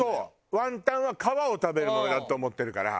ワンタンは皮を食べるものだと思ってるから。